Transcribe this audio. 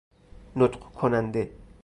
نطق کننده